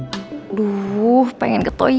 aduh pengen ke toilet nih